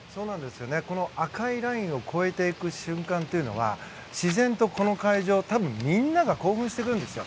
この赤いラインを越えていく瞬間というのは自然とこの会場、多分みんなが興奮してるんですよ。